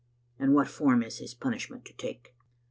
"" And what form is his punishment to take?"